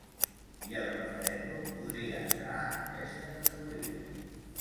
I el referèndum podria entrar en aquesta categoria.